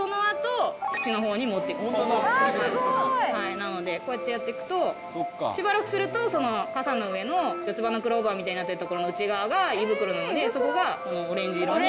なのでこうやってやっていくとしばらくするとカサの上の四つ葉のクローバーみたいになってるところの内側が胃袋なのでそこがオレンジ色に。